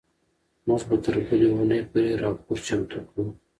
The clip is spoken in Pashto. موږ به تر بلې اونۍ پورې راپور چمتو کړو.